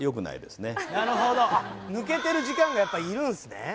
なるほど抜けてる時間がやっぱいるんすね